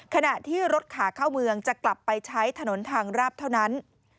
ขณะที่รถขาเข้าเมืองจะกลับไปใช้ถนนทางราบเท่านั้น